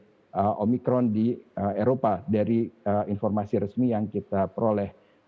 tapi kita juga sudah melihat strain omikron di eropa dari informasi resmi yang kita peroleh